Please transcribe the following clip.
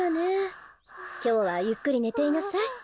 きょうはゆっくりねていなさい。